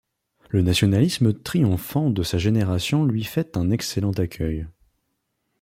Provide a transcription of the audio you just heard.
Le nationalisme triomphant de sa génération lui fait un excellent accueil.